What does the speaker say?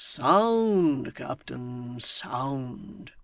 'Sound, captain, sound!